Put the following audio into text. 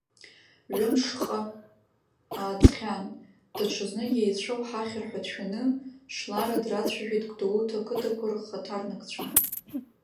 Ҩы-мшҟа ааҵхьан, даҽазны иеицәоу ҳахьыр ҳәа дшәаны, Шлара драцәажәеит Гәдоуҭа ақыҭақәа рхаҭарнакцәа.